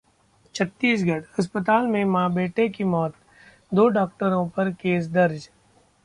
छत्तीसगढ़: अस्पताल में मां-बेटे की मौत, दो डॉक्टरों पर केस दर्ज